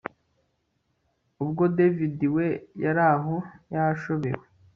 ubwo david we yaraho yashobewe